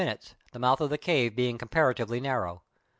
1 13 minutes, the mouth of the cave being comparatively nar row.